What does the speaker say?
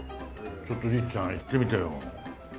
ちょっとりっちゃんいってみてよ。